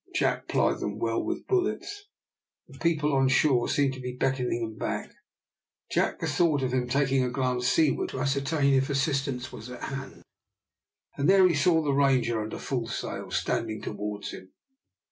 Jack plied them well with bullets. The people on shore seemed to be beckoning them back. Jack bethought him of taking a glance seaward to ascertain if assistance was at hand, and there he saw the Ranger under full sail, standing towards him.